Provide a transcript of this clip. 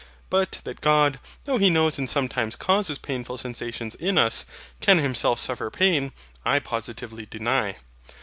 But, that God, though He knows and sometimes causes painful sensations in us, can Himself suffer pain, I positively deny.